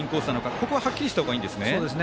ここははっきりした方がいいんですね。